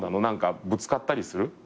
何かぶつかったりする？